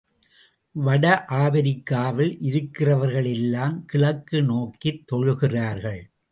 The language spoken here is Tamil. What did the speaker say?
வட ஆப்பிரிக்காவில் இருக்கிறவர்கள் எல்லாம் கிழக்கு நோக்கித் தொழுகிறார்கள்.